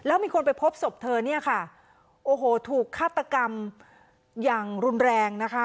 แล้วมีคนไปพบศพเธอเนี่ยค่ะโอ้โหถูกฆาตกรรมอย่างรุนแรงนะคะ